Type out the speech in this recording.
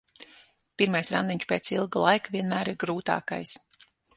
Pirmais randiņš pēc ilga laika vienmēr ir grūtākais.